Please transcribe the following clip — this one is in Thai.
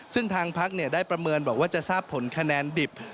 ซึ่งทางพักได้ประเมินบอกว่าจะทราบผลคะแนนดิบ